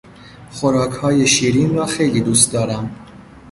خوراکهای شیرین را خیلی دوست دارم.